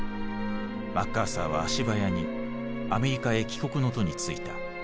マッカーサーは足早にアメリカへ帰国の途についた。